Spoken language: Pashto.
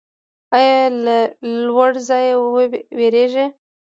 ایا له لوړ ځای ویریږئ؟